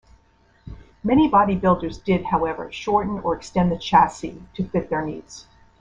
Many bodybuilders did however shorten or extend the chassis to fit their needs.